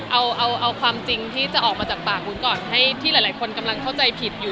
เอาความจริงที่จะออกมาต่อกลับให้ที่หลายคนเข้าใจผิดอยู่